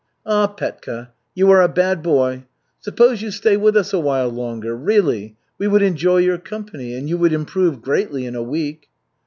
Ah, Petka, you are a bad boy! Suppose you stay with us a while longer really. We would enjoy your company, and you would improve greatly in a week."